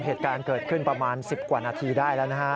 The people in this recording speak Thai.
เหตุการณ์เกิดขึ้นประมาณ๑๐กว่านาทีได้แล้วนะฮะ